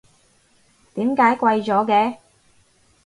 點解貴咗嘅？